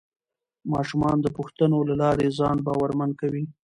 ماشومان د پوښتنو له لارې ځان باورمن کوي